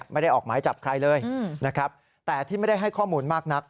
ไม่ได้ออกหมายจับใครเลยนะครับแต่ที่ไม่ได้ให้ข้อมูลมากนัก